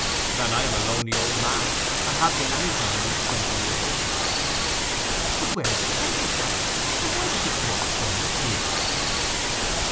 'And I am a lonely old man, and have been any time these twenty years.' 'But where have you kept yourself? And why did you go off so mysteriously?